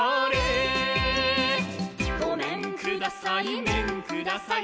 「ごめんください、めんください。」